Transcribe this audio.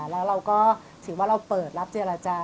แล้วเราก็ถือว่าเราเปิดรับเจรจา